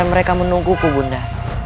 aku membiarkan mereka menungguku bunda